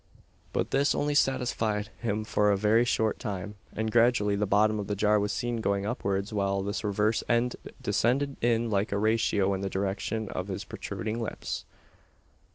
But this only satisfied him for a very short time; and gradually the bottom of the jar was seen going upwards, while the reverse end descended in like ratio in the direction of his protruding lips.